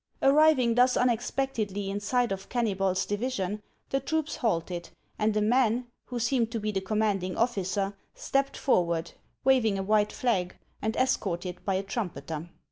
Arriving thus unexpectedly in sight of Kennybol's divi sion, the troops halted, and a man, who seemed to be the commanding officer, stepped forward, waving a white flag and escorted by a trumpeter.